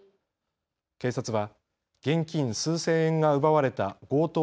警察は現金数千円が奪われた強盗